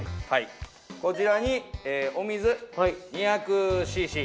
こちらにお水２００ｃｃ。